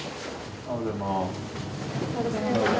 おはようございます。